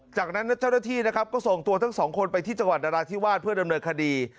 จากนั้นเจ้าหน้าที่นะครับก็ส่งตัวทั้งสองคนไปที่จังหวัดนราธิวาสเพื่อดำเนินคดี